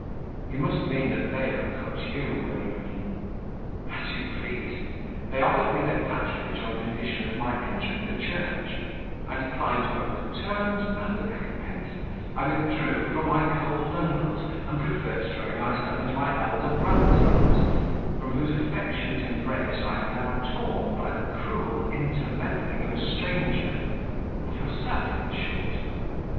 "You must mean they have cut you, William." "As you please. They offered me their patronage on condition of my entering the Church; I declined both the terms and the recompence; I withdrew from my cold uncles, and preferred throwing myself into my elder brother's arms, from whose affectionate embrace I am now torn by the cruel intermeddling of a stranger of yourself, in short."